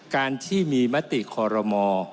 การที่มีมติคอรมอ